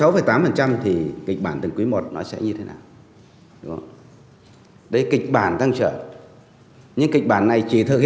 với lại chính phủ